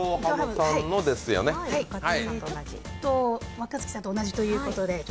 若槻さんと同じということで。